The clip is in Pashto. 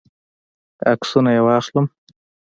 عکسونه یې واخلم.